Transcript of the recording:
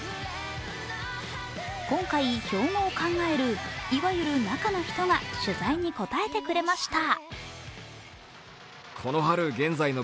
今回、標語を考えるいわゆる中の人が取材に答えてくれました。